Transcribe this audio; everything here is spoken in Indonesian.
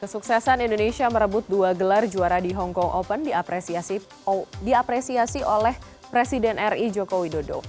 kesuksesan indonesia merebut dua gelar juara di hongkong open diapresiasi oleh presiden ri joko widodo